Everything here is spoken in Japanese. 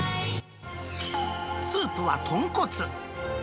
スープは豚骨。